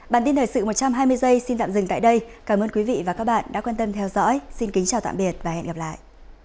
bản tin thời sự một trăm hai mươi giây xin tạm dừng tại đây cảm ơn quý vị và các bạn đã quan tâm theo dõi xin kính chào tạm biệt và hẹn gặp lại